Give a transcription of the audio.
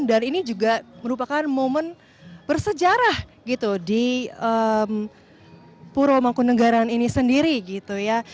dan ini juga merupakan momen bersejarah gitu di puramangkunegara ini sendiri gitu ya